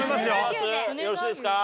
よろしいですか？